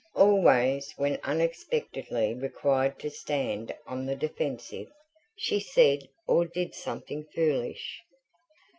Always when unexpectedly required to stand on the defensive, she said or did something foolish.